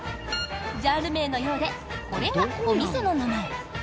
ジャンル名のようでこれがお店の名前。